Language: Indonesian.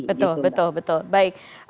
betul betul betul baik